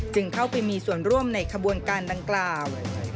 เข้าไปมีส่วนร่วมในขบวนการดังกล่าว